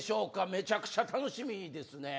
めちゃくちゃ楽しみですね。